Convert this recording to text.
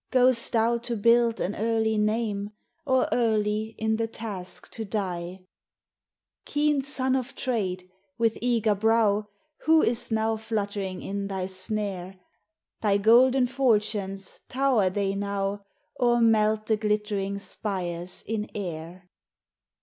Go'st thou to build an early name, Or early in the task to die ? Keen son of trade, with eager brow ! Who is now fluttering in thy snare ? Thy golden fortunes, tower they now, Or melt the glittering spires in air